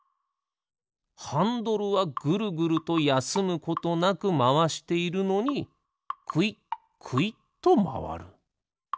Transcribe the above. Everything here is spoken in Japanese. ハンドルはぐるぐるとやすむことなくまわしているのにくいっくいっとまわる。